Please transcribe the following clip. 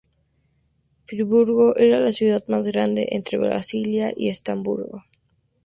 Friburgo era la ciudad más grande entre Basilea y Estrasburgo.